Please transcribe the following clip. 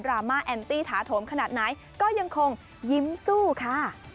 อันตรีถาโถมขนาดไหนก็ยังคงยิ้มสู้ค่ะ